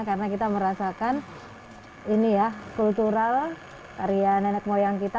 karena kita merasakan ini ya kultural karya nenek moyang kita